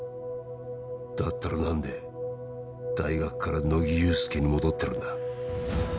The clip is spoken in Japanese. だったら何で大学から乃木憂助に戻ってるんだ？